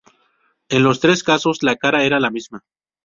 En los tres casos, la cara era la misma.